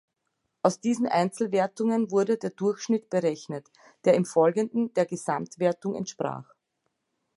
Aus diesen Einzelwertungen wurde der Durchschnitt berechnet, der im Folgenden der Gesamtwertung entsprach.